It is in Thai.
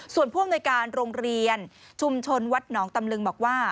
ส่วนผู้อำนวยการโรงเรียนชุมชนวัดหนองตำลึงบอกว่า